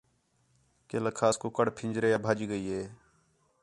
کہ لَکھاس کُکڑ پھنجرے ٻُجھ ڳئی ہِے